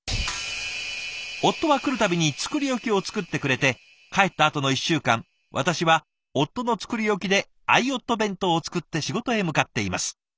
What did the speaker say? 「夫は来るたびに作り置きを作ってくれて帰ったあとの１週間私は夫の作り置きで愛夫弁当を作って仕事へ向かっています」ですって。